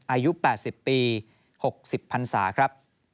อายุ๘๐ปี๖๐พันศา